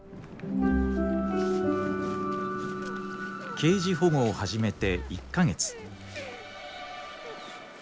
ケージ保護を始めて１か月。